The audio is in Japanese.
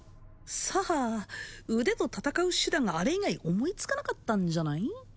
さあ腕と戦う手段があれ以外思いつかなかったんじゃない？